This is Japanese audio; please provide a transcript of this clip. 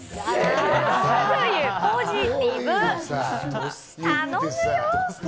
ポジティブ、頼むよ。